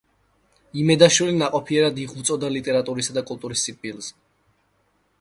იმედაშვილი ნაყოფიერად იღვწოდა ლიტერატურისა და კულტურის სარბიელზე.